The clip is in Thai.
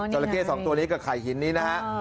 ราเข้๒ตัวนี้กับไข่หินนี้นะฮะ